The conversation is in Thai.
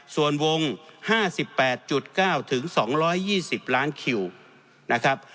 ส่วนวง๕๘๙๒๒๐ล้านคิวนะครับ